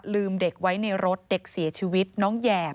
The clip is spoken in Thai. เด็กไว้ในรถเด็กเสียชีวิตน้องแหยม